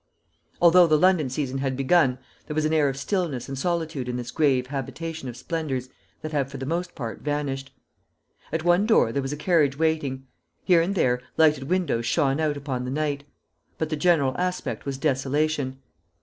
Although the London season had begun, there was an air of stillness and solitude in this grave habitation of splendours that have for the most part vanished. At one door there was a carriage waiting; here and there lighted windows shone out upon the night; but the general aspect was desolation.